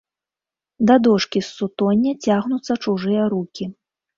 Да дошкі з сутоння цягнуцца чужыя рукі.